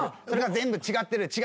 それが全部違ってる。